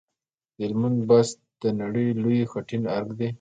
د هلمند بست د نړۍ لوی خټین ارک دی